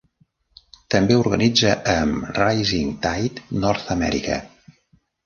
També organitza amb Rising Tide North America.